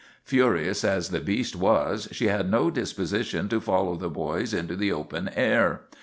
Furious as the beast was, she had no disposition to follow the boys into the open air.